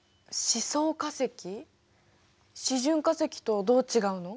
示準化石とどう違うの？